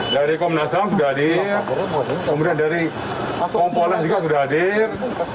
dari komnasam sudah hadir kemudian dari kompolnya juga sudah hadir